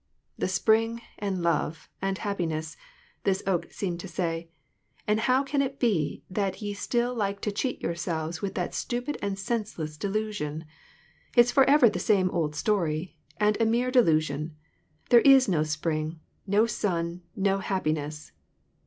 " The spring and love and happiness !" this oak seemed to say. " And how can it be that ye still like to cheat yourselves with that stupid and senseless delusion ? It's forever the same old story, and a mere delusion. There is no spring, no sun, no happiness.